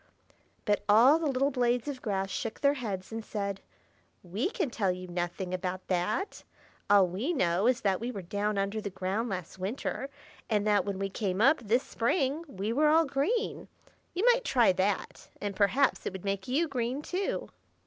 But all the little blades of grass shook their heads, and said, "We can tell you nothing about that. All we know is that we were down under the ground last winter, and that when we came up this spring, we were all green. You might try that, and perhaps it would make you green, too."